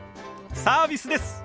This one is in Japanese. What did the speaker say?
サービスです。